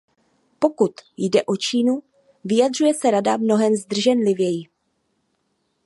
Pokud jde o Čínu, vyjadřuje se Rada mnohem zdrženlivěji.